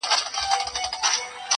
د فرهنګ او تمدن مرکز ویرژلي هرات ته! -